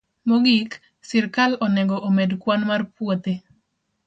Mogik, sirkal onego omed kwan mar puothe